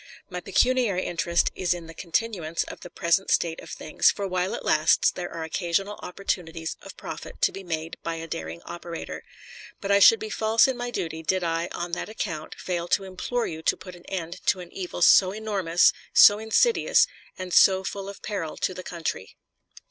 My pecuniary interest is in the continuance of the present state of things, for while it lasts there are occasional opportunities of profit to be made by a daring operator; but I should be false to my duty did I, on that account, fail to implore you to put an end to an evil so enormous, so insidious, and so full of peril to the country.